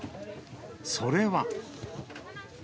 それは。